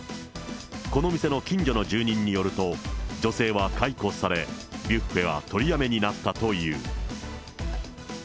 この店の近所の住民によると、女性は解雇され、ビュッフェは取りやめになったという。